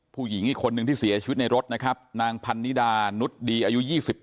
ผู้หญิงอีกคนนึงที่เสียชีวิตในรถนะครับนางพันนิดานุษย์ดีอายุ๒๗